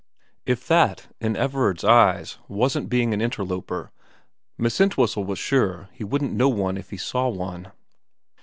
If 297 298 VERA that, in Everard's eyes, wasn't being an interloper Miss Entwhistle was sure he wouldn't know one if he saw one.